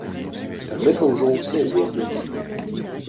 Гэта ўжо ўсе ведаюць.